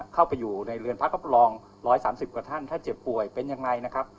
เข้าไปอยู่ในเรือนพักรับรอง๑๓๐กว่าท่านถ้าเจ็บป่วยเป็นยังไงนะครับ